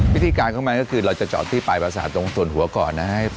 วิธีการของมันก็คือเราจะเจาะที่ปลายประสาทตรงส่วนหัวก่อนนะครับ